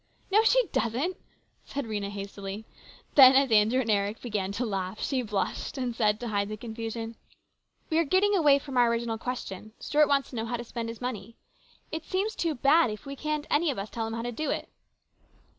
"" No, she doesn't," said Rhena hastily. Then, as Andrew and Eric began to laugh, she blushed and said, to hide the confusion, " We are getting away from our original question. Stuart wants to know how to spend his money. It seems too bad if we can't any of us tell him how to do it."